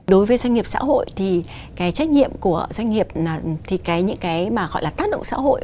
đối với doanh nghiệp xã hội thì cái trách nhiệm của doanh nghiệp thì những cái mà gọi là tác động xã hội